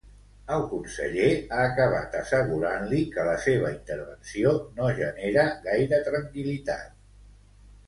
El conseller ha acabat assegurant-li que la seva intervenció no genera gaire tranquil·litat.